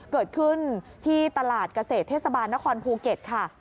เกิดขึ้นที่ตลาดเกษตรเทศบาลนครภูเก็ตค่ะ